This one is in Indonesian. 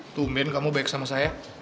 tumbin kamu baik sama saya